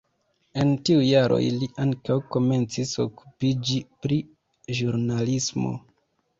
En tiuj jaroj li ankaŭ komencis okupiĝi pri ĵurnalismo.